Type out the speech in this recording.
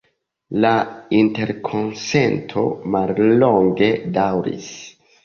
La interkonsento mallonge daŭris.